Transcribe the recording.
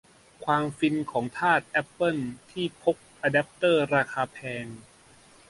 ความฟินของทาสแอปเปิลที่พกอแดปเตอร์ราคาแพง